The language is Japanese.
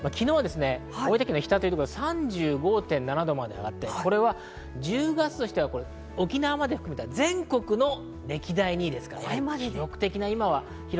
昨日、大分県日田では３５．７度まで上がり、これは１０月としては、沖縄まで含めた全国の歴代２位です。